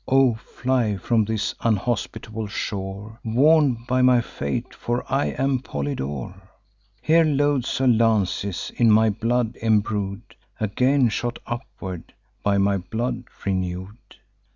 O fly from this unhospitable shore, Warn'd by my fate; for I am Polydore! Here loads of lances, in my blood embrued, Again shoot upward, by my blood renew'd.